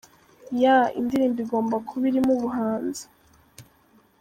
Yeah, indirimbo igomba kuba irimo ubuhanzi.